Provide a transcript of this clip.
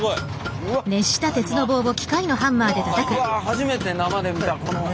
初めて生で見た。